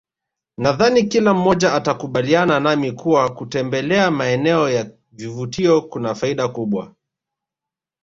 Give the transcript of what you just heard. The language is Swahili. Nadhani kila mmoja atakubaliana nami kuwa kutembelea maeneo ya vivutio kuna faida kubwa